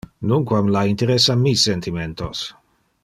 Nunquam la interessa mi sentimentos.